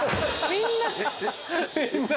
みんな。